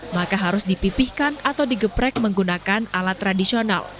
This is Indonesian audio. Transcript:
maka harus dipipihkan atau digeprek menggunakan alat tradisional